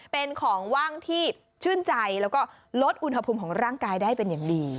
เป็นของว่างที่ชื่นใจแล้วก็ลดอุณหภูมิของร่างกายได้เป็นอย่างดี